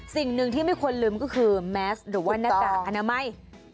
สิ่งหนึ่งที่ไม่ควรลืมก็คือแมสหรือว่าหน้ากากอนามัย